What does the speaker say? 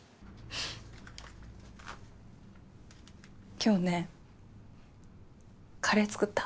今日ねカレー作った。